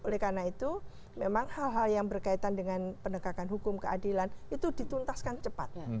oleh karena itu memang hal hal yang berkaitan dengan penegakan hukum keadilan itu dituntaskan cepat